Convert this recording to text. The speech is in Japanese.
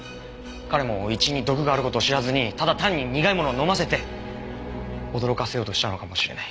彼もイチイに毒がある事を知らずにただ単に苦いものを飲ませて驚かせようとしたのかもしれない。